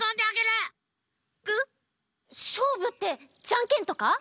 しょうぶってジャンケンとか？